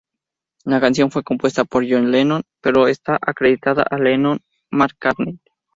La canción fue compuesta por John Lennon, pero está acreditada a Lennon-McCartney.